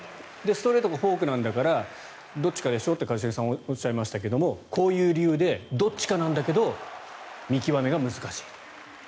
ストレートとフォークなんだからどっちかでしょって一茂さんおっしゃいましたけどこういう理由でどっちかなんだけど見極めが難しい。